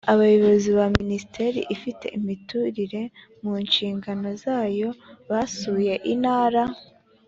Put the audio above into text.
abayobozi ba minisiteri ifite imiturire mu nshingano zayo basuye intara